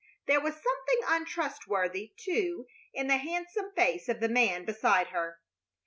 There was something untrustworthy, too, in the handsome face of the man beside her.